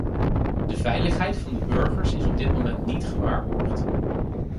De veiligheid van de burgers is op dit moment niet gewaarborgd.